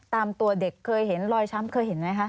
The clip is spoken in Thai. ตามตัวเด็กเคยเห็นรอยช้ำเคยเห็นไหมคะ